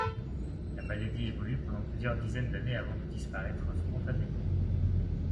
La maladie évolue pendant plusieurs dizaines d'années avant de disparaître spontanément.